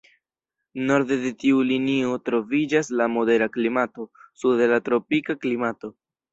Norde de tiu linio troviĝas la modera klimato, sude la tropika klimato.